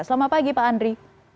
selamat pagi pak andri